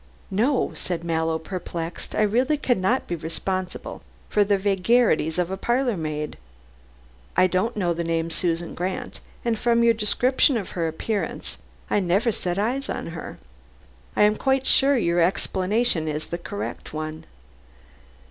"No," said Mallow, perplexed. "I really cannot be responsible for the vagaries of a parlor maid. I don't know the name Susan Grant, and from your description of her appearance, I never set eyes on her. I am quite sure your explanation is the correct one.